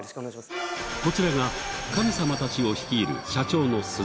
こちらが神様たちを率いる社長の鈴井さん